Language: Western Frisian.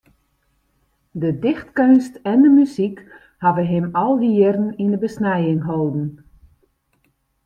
De dichtkeunst en de muzyk hawwe him al dy jierren yn de besnijing holden.